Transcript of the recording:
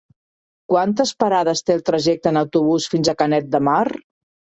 Quantes parades té el trajecte en autobús fins a Canet de Mar?